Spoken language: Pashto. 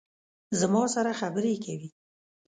زما سره خبرې کوي